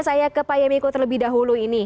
saya ke pak yemiko terlebih dahulu ini